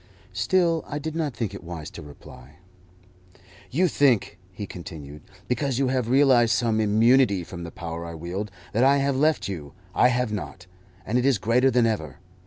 Still I did not think it wise to reply. "You think," he continued, "because you have realized some immunity from the power I wield, that I have left you. I have not, and it is greater than ever.